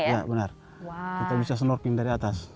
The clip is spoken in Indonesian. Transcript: ya benar kita bisa snorkeling dari atas